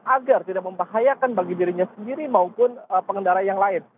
agar tidak membahayakan bagi dirinya sendiri maupun pengendara yang lain